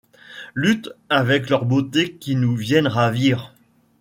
Lutte avec leurs beautés qui nous viennent ravir !